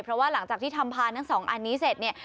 เพราะว่าหลังจากที่ทำพานทั้งสองอันนี้เสร็จเนี่ย